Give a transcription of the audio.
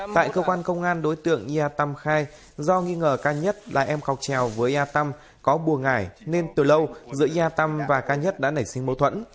tại cơ quan công an đối tượng yatam khai do nghi ngờ ca nhất là em cọc trèo với yatam có bùa ngải nên từ lâu giữa yatam và ca nhất đã nảy sinh mâu thuẫn